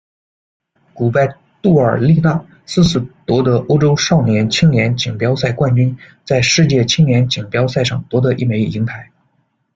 古拜杜尔丽娜四次夺得欧洲少年、青年锦标赛冠军，在世界青年锦标赛上夺得一枚银牌。